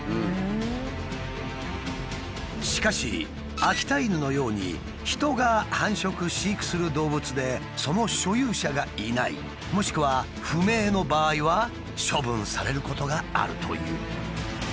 しかし秋田犬のように人が繁殖・飼育する動物でその所有者がいないもしくは不明の場合は処分されることがあるという。